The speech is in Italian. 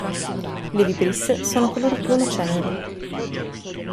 Le vibrisse sono color bruno-cenere.